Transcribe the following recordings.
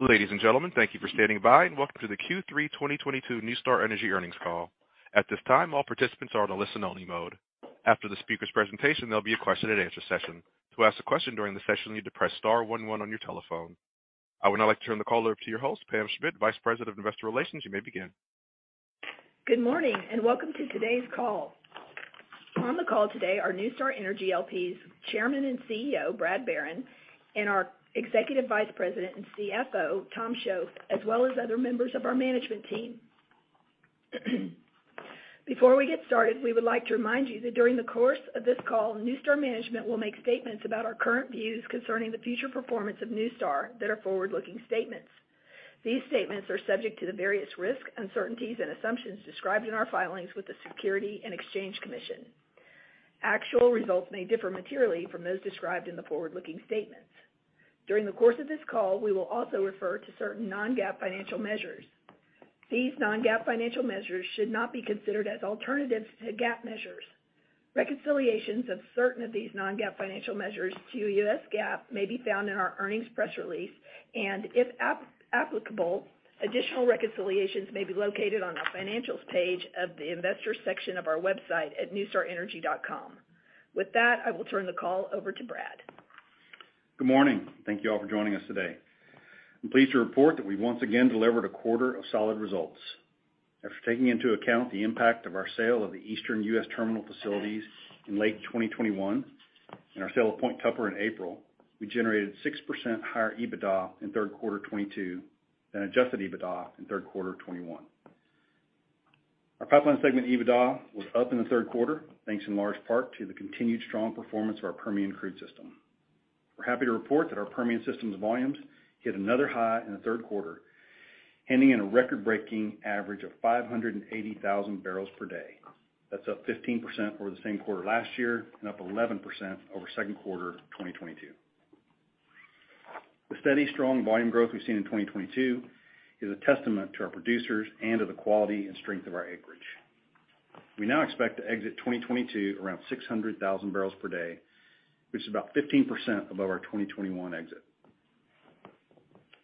Ladies and gentlemen, thank you for standing by, and welcome to the Q3 2022 NuStar Energy earnings call. At this time, all participants are on a listen only mode. After the speaker's presentation, there'll be a question and answer session. To ask a question during the session, you need to press star one one on your telephone. I would now like to turn the call over to your host, Pam Schmidt, Vice President of Investor Relations. You may begin. Good morning, and welcome to today's call. On the call today are NuStar Energy L.P.'s Chairman and CEO, Brad Barron, and our Executive Vice President and CFO, Tom Shoaf, as well as other members of our management team. Before we get started, we would like to remind you that during the course of this call, NuStar management will make statements about our current views concerning the future performance of NuStar that are forward-looking statements. These statements are subject to the various risks, uncertainties, and assumptions described in our filings with the Securities and Exchange Commission. Actual results may differ materially from those described in the forward-looking statements. During the course of this call, we will also refer to certain non-GAAP financial measures. These non-GAAP financial measures should not be considered as alternatives to GAAP measures. Reconciliations of certain of these non-GAAP financial measures to U.S. GAAP may be found in our earnings press release, and if applicable, additional reconciliations may be located on our Financials page of the Investors section of our website at nustarenergy.com. With that, I will turn the call over to Brad. Good morning. Thank you all for joining us today. I'm pleased to report that we've once again delivered a quarter of solid results. After taking into account the impact of our sale of the Eastern U.S. terminal facilities in late 2021 and our sale of Point Tupper in April, we generated 6% higher EBITDA in third quarter 2022 than adjusted EBITDA in third quarter 2021. Our pipeline segment EBITDA was up in the third quarter, thanks in large part to the continued strong performance of our Permian Crude System. We're happy to report that our Permian Crude System's volumes hit another high in the third quarter, ending in a record-breaking average of 580,000 barrels per day. That's up 15% over the same quarter last year and up 11% over second quarter 2022. The steady, strong volume growth we've seen in 2022 is a testament to our producers and to the quality and strength of our acreage. We now expect to exit 2022 around 600,000 barrels per day, which is about 15% above our 2021 exit.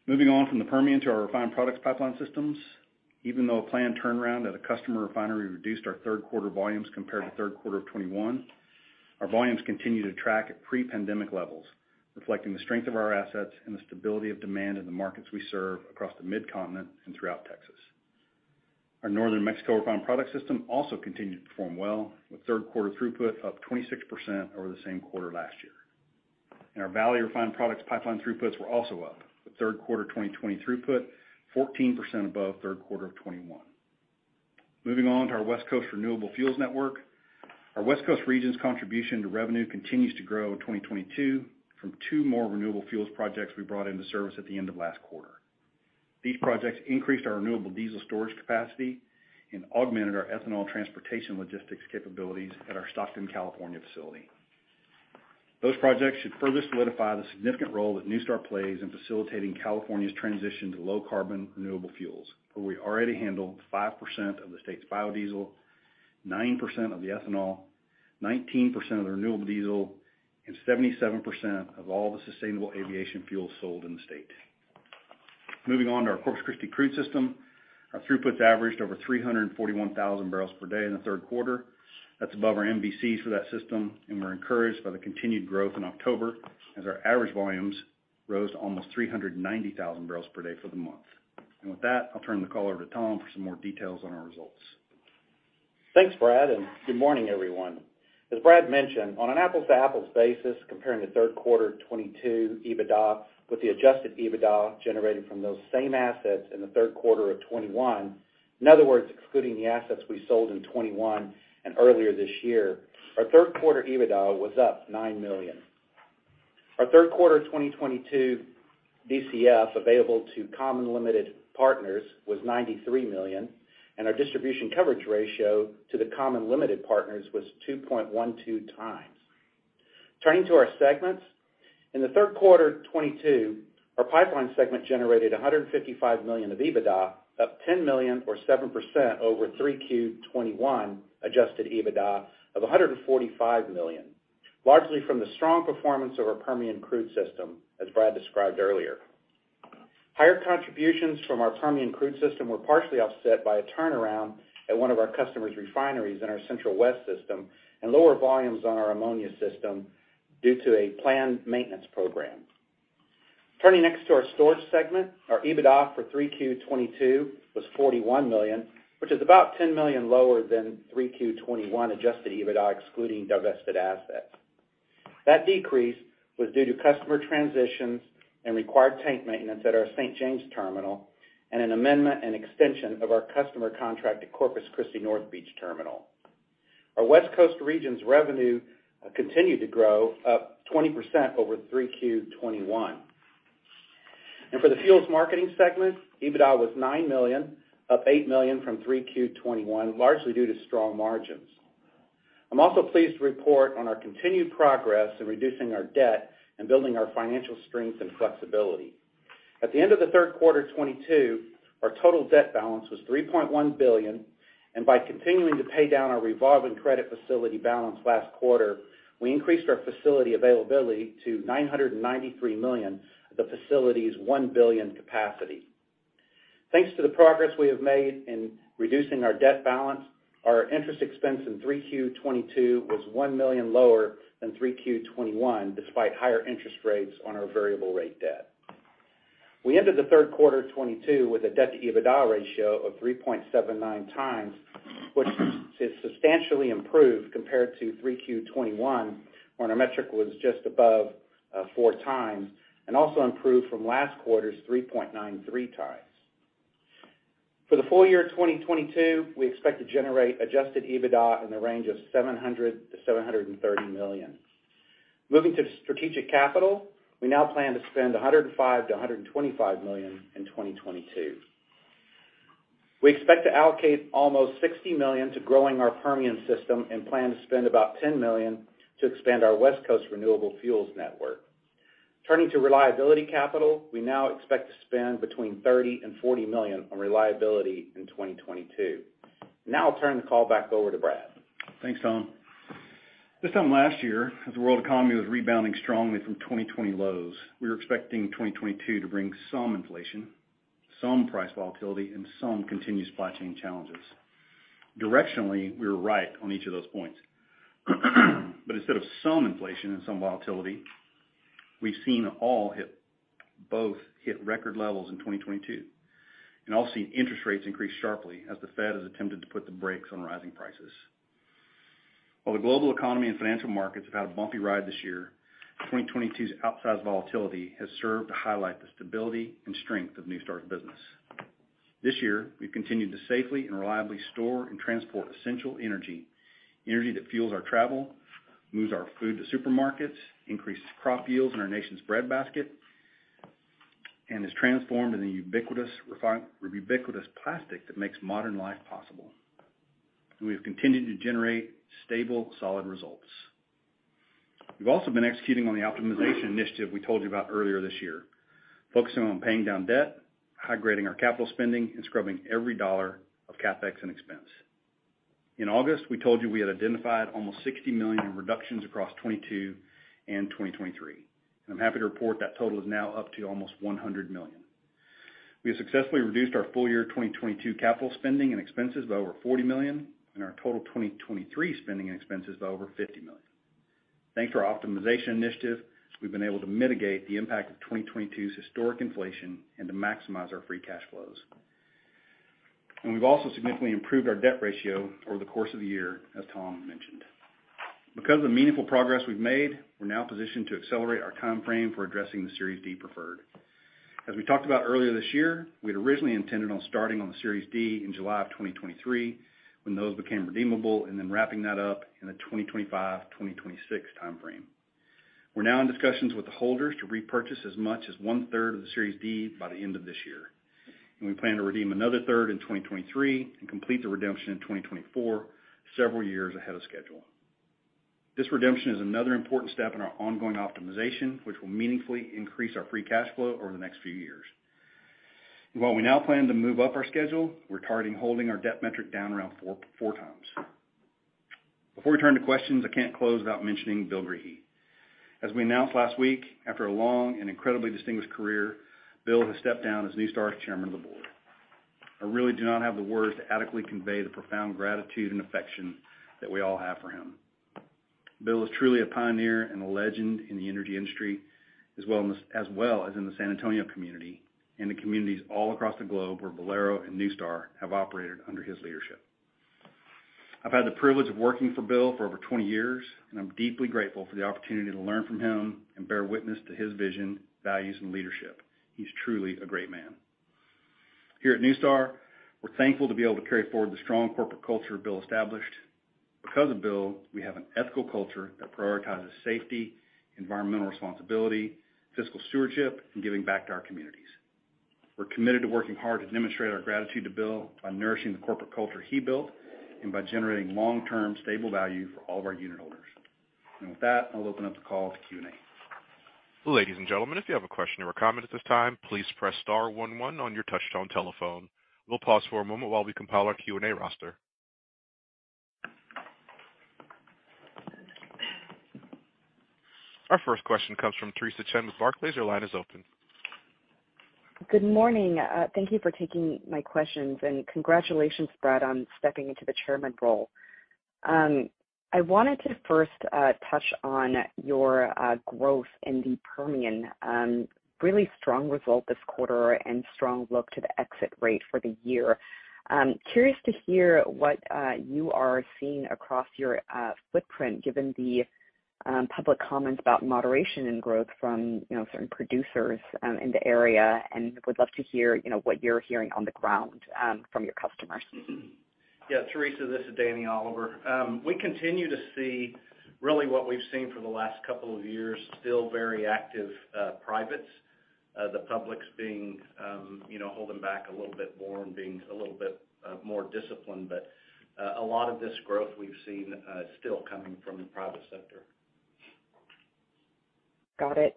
Moving on from the Permian to our refined products pipeline systems. Even though a planned turnaround at a customer refinery reduced our third quarter volumes compared to third quarter of 2021, our volumes continue to track at pre-pandemic levels, reflecting the strength of our assets and the stability of demand in the markets we serve across the Mid-continent and throughout Texas. Our Northern Mexico refined product system also continued to perform well, with third quarter throughput up 26% over the same quarter last year. Our Valley refined products pipeline throughputs were also up, with third quarter 2022 throughput 14% above third quarter of 2021. Moving on to our West Coast renewable fuels network. Our West Coast region's contribution to revenue continues to grow in 2022 from two more renewable fuels projects we brought into service at the end of last quarter. These projects increased our renewable diesel storage capacity and augmented our ethanol transportation logistics capabilities at our Stockton, California, facility. Those projects should further solidify the significant role that NuStar plays in facilitating California's transition to low-carbon renewable fuels, where we already handle 5% of the state's biodiesel, 9% of the ethanol, 19% of the renewable diesel, and 77% of all the sustainable aviation fuel sold in the state. Moving on to our Corpus Christi crude system. Our throughputs averaged over 341,000 barrels per day in the third quarter. That's above our MVCs for that system, and we're encouraged by the continued growth in October as our average volumes rose to almost 390,000 barrels per day for the month. With that, I'll turn the call over to Tom for some more details on our results. Thanks, Brad, and good morning, everyone. As Brad mentioned, on an apples-to-apples basis, comparing the third quarter 2022 EBITDA with the adjusted EBITDA generated from those same assets in the third quarter of 2021, in other words, excluding the assets we sold in 2021 and earlier this year, our third quarter EBITDA was up $9 million. Our third quarter 2022 DCF available to common limited partners was $93 million, and our distribution coverage ratio to the common limited partners was 2.12 times. Turning to our segments. In the third quarter 2022, our pipeline segment generated $155 million of EBITDA, up $10 million or 7% over 3Q 2021 adjusted EBITDA of $145 million, largely from the strong performance of our Permian Crude System, as Brad described earlier. Higher contributions from our Permian Crude System were partially offset by a turnaround at one of our customer's refineries in our Central West System and lower volumes on our Ammonia System due to a planned maintenance program. Turning next to our storage segment. Our EBITDA for 3Q 2022 was $41 million, which is about $10 million lower than 3Q 2021 adjusted EBITDA, excluding divested assets. That decrease was due to customer transitions and required tank maintenance at our St. James terminal and an amendment and extension of our customer contract at Corpus Christi North Beach Terminal. Our West Coast region's revenue continued to grow, up 20% over 3Q 2021. For the fuels marketing segment, EBITDA was $9 million, up $8 million from 3Q 2021, largely due to strong margins. I'm also pleased to report on our continued progress in reducing our debt and building our financial strength and flexibility. At the end of the third quarter 2022, our total debt balance was $3.1 billion. By continuing to pay down our revolving credit facility balance last quarter, we increased our facility availability to $993 million of the facility's $1 billion capacity. Thanks to the progress we have made in reducing our debt balance, our interest expense in 3Q 2022 was $1 million lower than 3Q 2021, despite higher interest rates on our variable rate debt. We ended the third quarter of 2022 with a debt-to-EBITDA ratio of 3.79 times, which is substantially improved compared to 3Q 2021, when our metric was just above 4 times and also improved from last quarter's 3.93 times. For the full year of 2022, we expect to generate adjusted EBITDA in the range of $700 million-$730 million. Moving to strategic capital, we now plan to spend $105 million-$125 million in 2022. We expect to allocate almost 60 million to growing our Permian system and plan to spend about 10 million to expand our West Coast renewable fuels network. Turning to reliability capital, we now expect to spend between 30 and 40 million on reliability in 2022. Now I'll turn the call back over to Brad. Thanks, Tom. This time last year, as the world economy was rebounding strongly from 2020 lows, we were expecting 2022 to bring some inflation, some price volatility, and some continued supply chain challenges. Directionally, we were right on each of those points. Instead of some inflation and some volatility, we've seen both hit record levels in 2022, and also seen interest rates increase sharply as the Fed has attempted to put the brakes on rising prices. While the global economy and financial markets have had a bumpy ride this year, 2022's outsized volatility has served to highlight the stability and strength of NuStar's business. This year, we've continued to safely and reliably store and transport essential energy that fuels our travel, moves our food to supermarkets, increases crop yields in our nation's breadbasket, and is transformed into the ubiquitous plastic that makes modern life possible. We have continued to generate stable, solid results. We've also been executing on the optimization initiative we told you about earlier this year, focusing on paying down debt, high-grading our capital spending, and scrubbing every dollar of CapEx and expense. In August, we told you we had identified almost $60 million in reductions across 2022 and 2023, and I'm happy to report that total is now up to almost $100 million. We have successfully reduced our full year 2022 capital spending and expenses by over $40 million and our total 2023 spending and expenses by over $50 million. Thanks to our optimization initiative, we've been able to mitigate the impact of 2022's historic inflation and to maximize our free cash flows. We've also significantly improved our debt ratio over the course of the year, as Tom mentioned. Because of the meaningful progress we've made, we're now positioned to accelerate our time frame for addressing the Series D Preferred. As we talked about earlier this year, we had originally intended on starting on the Series D in July of 2023, when those became redeemable, and then wrapping that up in the 2025, 2026 time frame. We're now in discussions with the holders to repurchase as much as 1/3 of the Series D by the end of this year, and we plan to redeem another third in 2023 and complete the redemption in 2024, several years ahead of schedule. This redemption is another important step in our ongoing optimization, which will meaningfully increase our free cash flow over the next few years. While we now plan to move up our schedule, we're targeting holding our debt metric down around four times. Before we turn to questions, I can't close without mentioning Bill Greehey. As we announced last week, after a long and incredibly distinguished career, Bill has stepped down as NuStar's Chairman of the Board. I really do not have the words to adequately convey the profound gratitude and affection that we all have for him. Bill is truly a pioneer and a legend in the energy industry, as well as in the San Antonio community and the communities all across the globe where Valero and NuStar have operated under his leadership. I've had the privilege of working for Bill for over 20 years, and I'm deeply grateful for the opportunity to learn from him and bear witness to his vision, values, and leadership. He's truly a great man. Here at NuStar, we're thankful to be able to carry forward the strong corporate culture Bill established. Because of Bill, we have an ethical culture that prioritizes safety, environmental responsibility, fiscal stewardship, and giving back to our communities. We're committed to working hard to demonstrate our gratitude to Bill by nourishing the corporate culture he built and by generating long-term, stable value for all of our unitholders. With that, I'll open up the call to Q&A. Ladies and gentlemen, if you have a question or a comment at this time, please press star one one on your touchtone telephone. We'll pause for a moment while we compile our Q&A roster. Our first question comes from Theresa Chen with Barclays. Your line is open. Good morning. Thank you for taking my questions, and congratulations, Brad, on stepping into the Chairman role. I wanted to first touch on your growth in the Permian. Really strong result this quarter and strong look to the exit rate for the year. Curious to hear what you are seeing across your footprint, given the public comments about moderation and growth from, you know, certain producers in the area, and would love to hear, you know, what you're hearing on the ground from your customers. Yeah, Theresa, this is Danny Oliver. We continue to see really what we've seen for the last couple of years, still very active, privates. The public's being, you know, holding back a little bit more and being a little bit more disciplined. A lot of this growth we've seen is still coming from the private sector. Got it.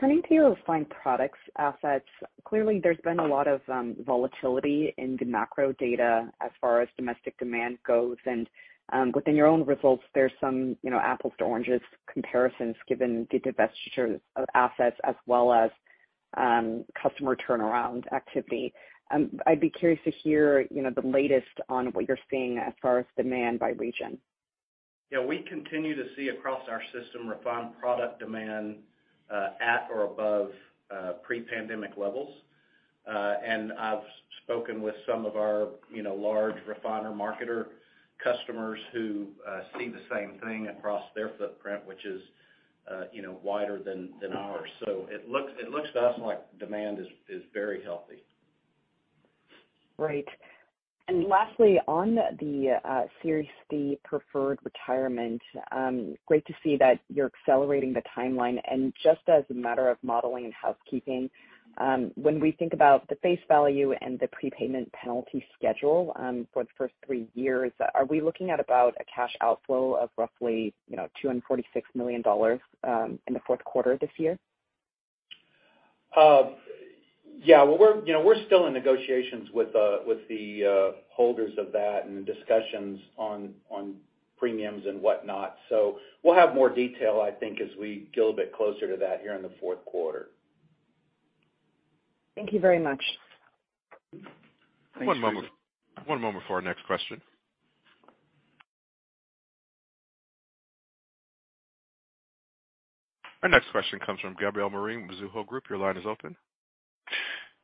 Turning to your refined products assets. Clearly, there's been a lot of volatility in the macro data as far as domestic demand goes. Within your own results, there's some, you know, apples to oranges comparisons given the divestiture of assets as well as customer turnaround activity. I'd be curious to hear, you know, the latest on what you're seeing as far as demand by region. Yeah. We continue to see across our system refined product demand at or above pre-pandemic levels. I've spoken with some of our, you know, large refiner marketer customers who see the same thing across their footprint, which is, you know, wider than ours. It looks to us like demand is very healthy. Right. Lastly, on the Series D preferred retirement, great to see that you're accelerating the timeline. Just as a matter of modeling and housekeeping, when we think about the face value and the prepayment penalty schedule, for the first three years, are we looking at about a cash outflow of roughly, you know, $246 million in the fourth quarter this year? Yeah. Well, you know, we're still in negotiations with the holders of that and discussions on premiums and whatnot. We'll have more detail, I think, as we get a little bit closer to that here in the fourth quarter. Thank you very much. Thanks. One moment. One moment for our next question. Our next question comes from Gabriel Moreen with Mizuho Group. Your line is open.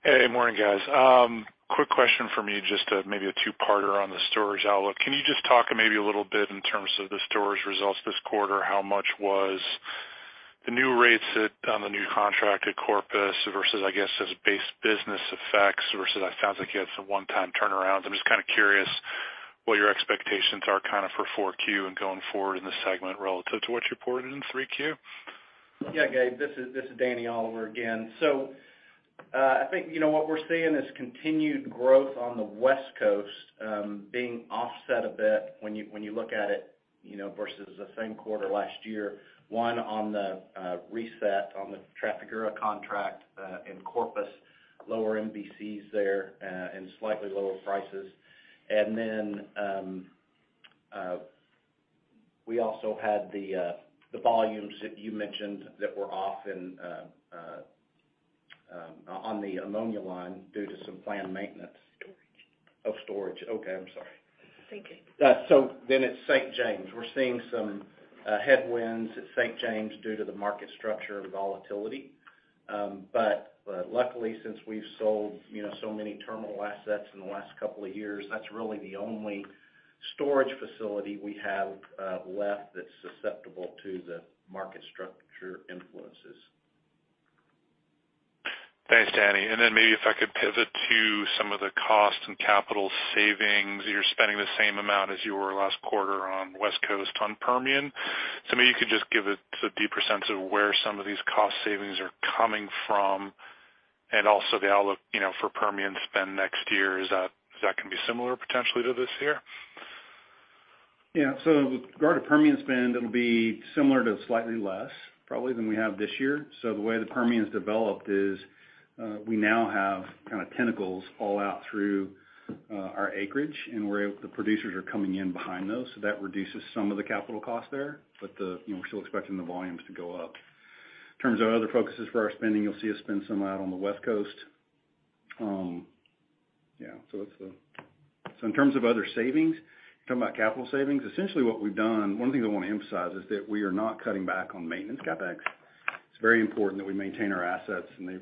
Hey. Good morning, guys. Quick question for me, just maybe a two-parter on the storage outlook. Can you just talk maybe a little bit in terms of the storage results this quarter? How much was the new rates on the new contract at Corpus versus, I guess, just base business effects versus it sounds like you had some one-time turnarounds. I'm just kind of curious what your expectations are kind of for 4Q and going forward in the segment relative to what you reported in 3Q. Yeah, Gabe, this is Danny Oliver again. I think, you know, what we're seeing is continued growth on the West Coast, being offset a bit when you look at it, you know, versus the same quarter last year. One, on the reset on the Trafigura contract, in Corpus. Lower MVCs there, and slightly lower prices. We also had the volumes that you mentioned that were off on the ammonia line due to some planned maintenance. Storage. Oh, storage. Okay. I'm sorry. Thank you. At St. James, we're seeing some headwinds at St. James due to the market structure and volatility. But luckily, since we've sold, you know, so many terminal assets in the last couple of years, that's really the only storage facility we have left that's susceptible to the market structure influences. Thanks, Danny. Then maybe if I could pivot to some of the cost and capital savings. You're spending the same amount as you were last quarter on West Coast on Permian. Maybe you could just give a deeper sense of where some of these cost savings are coming from and also the outlook, you know, for Permian spend next year. Is that gonna be similar potentially to this year? Yeah. With regard to Permian spend, it'll be similar to slightly less probably than we have this year. The way the Permian's developed is, we now have kind of tentacles all out through our acreage, and the producers are coming in behind those. That reduces some of the capital costs there. You know, we're still expecting the volumes to go up. In terms of other focuses for our spending, you'll see us spend some out on the West Coast. In terms of other savings, you're talking about capital savings. Essentially what we've done, one of the things I wanna emphasize is that we are not cutting back on maintenance CapEx. It's very important that we maintain our assets, and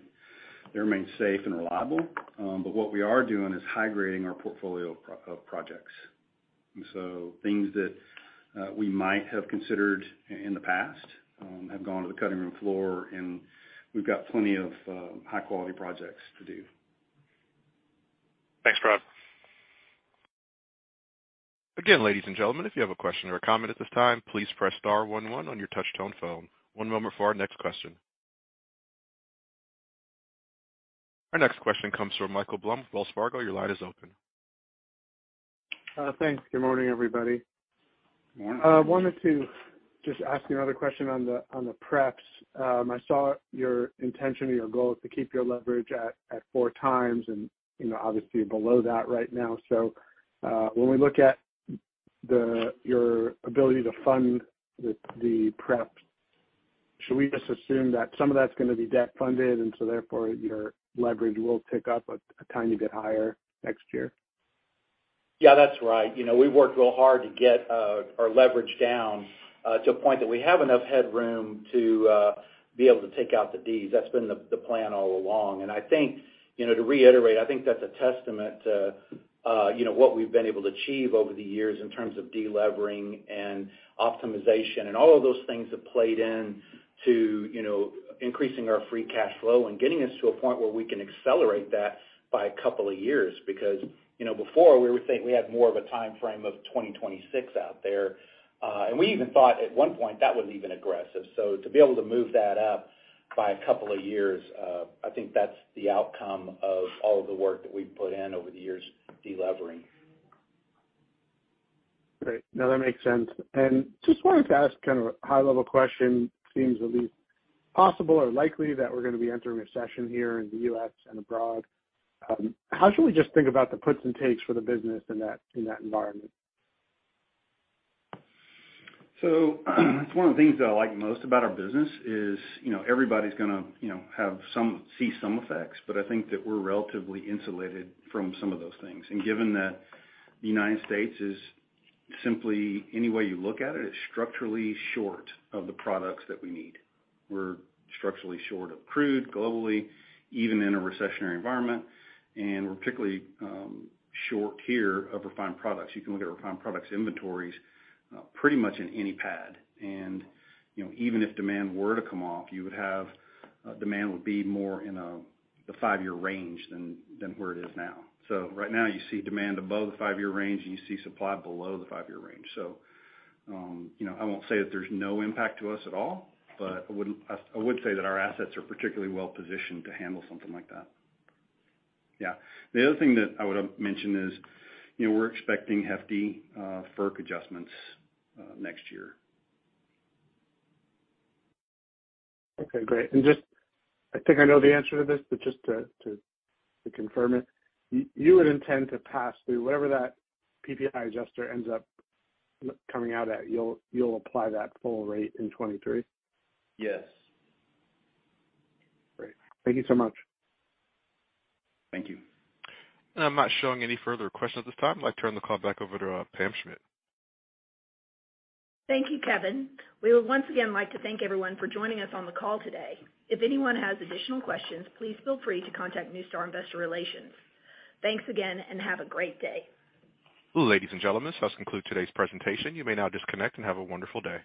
they remain safe and reliable. What we are doing is high grading our portfolio of projects. Things that we might have considered in the past have gone to the cutting room floor, and we've got plenty of high-quality projects to do. Thanks, Brad. Again, ladies and gentlemen, if you have a question or a comment at this time, please press star one one on your touchtone phone. One moment for our next question. Our next question comes from Michael Blum, Wells Fargo. Your line is open. Thanks. Good morning, everybody. Morning. Wanted to just ask you another question on the prep. I saw your intention or your goal to keep your leverage at 4x and, you know, obviously below that right now. When we look at your ability to fund the prep, should we just assume that some of that's gonna be debt funded and so therefore your leverage will tick up a tiny bit higher next year? Yeah. That's right. You know, we worked real hard to get our leverage down to a point that we have enough headroom to be able to take out the Ds. That's been the plan all along. I think, you know, to reiterate, I think that's a testament to you know, what we've been able to achieve over the years in terms of delevering and optimization. All of those things have played into you know, increasing our free cash flow and getting us to a point where we can accelerate that by a couple of years. You know, before we were thinking we had more of a timeframe of 2026 out there. We even thought at one point that was even aggressive. To be able to move that up by a couple of years, I think that's the outcome of all of the work that we've put in over the years delevering. Great. No, that makes sense. Just wanted to ask kind of a high-level question. Seems at least possible or likely that we're gonna be entering a session here in the U.S. and abroad. How should we just think about the puts and takes for the business in that environment? It's one of the things that I like most about our business is, you know, everybody's gonna, you know, see some effects, but I think that we're relatively insulated from some of those things. Given that the United States is simply, any way you look at it's structurally short of the products that we need. We're structurally short of crude globally, even in a recessionary environment, and we're particularly short here of refined products. You can look at refined products inventories pretty much in any PAD. You know, even if demand were to come off, demand would be more in the five-year range than where it is now. Right now you see demand above the five-year range, and you see supply below the five-year range. you know, I won't say that there's no impact to us at all, but I would say that our assets are particularly well positioned to handle something like that. Yeah. The other thing that I would have mentioned is, you know, we're expecting hefty FERC adjustments next year. Okay. Great. Just, I think I know the answer to this, but just to confirm it, you would intend to pass through whatever that PPI adjuster ends up coming out at, you'll apply that full rate in 2023? Yes. Great. Thank you so much. Thank you. I'm not showing any further questions at this time. I'd like to turn the call back over to Pam Schmidt. Thank you, Kevin. We would once again like to thank everyone for joining us on the call today. If anyone has additional questions, please feel free to contact NuStar Investor Relations. Thanks again, and have a great day. Ladies and gentlemen, this does conclude today's presentation. You may now disconnect and have a wonderful day.